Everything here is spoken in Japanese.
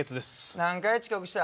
何回遅刻した？